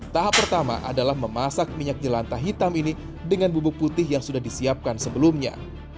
tahap pertama adalah memasak minyak jelanta hitam ini dengan bubuk putih yang sudah disiapkan sebelumnya